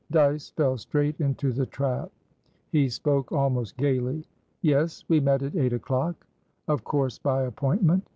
Dyce fell straight into the trap. He spoke almost gaily. "Yes; we met at eight o'clock." "Of course by appointment."